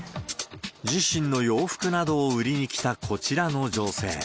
自身の洋服などを売りに来た、こちらの女性。